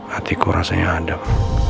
hatiku rasanya adem